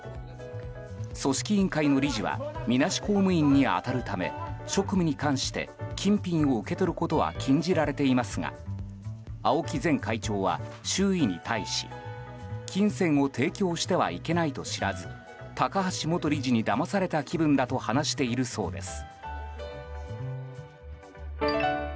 組織委員会の理事はみなし公務員に当たるため職務に関して金品を受け取ることは禁じられていますが青木前会長は周囲に対し金銭を提供してはいけないと知らず高橋元理事にだまされた気分だと話しているそうです。